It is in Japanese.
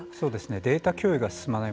データ共有が進まない